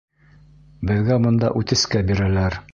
Беҙгә бында үтескә бирәләр.